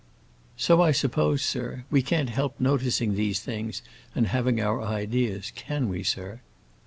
"So I suppose, sir. We can't help noticing these things and having our ideas; can we, sir?"